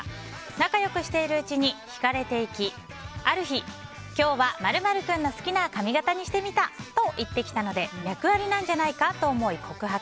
仲良くしているうちに引かれていき、ある日今日は○○君の好きな髪形にしてみたと言ってきたので脈ありなんじゃないかと思い告白。